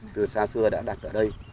từ xa xưa đã đặt ở đây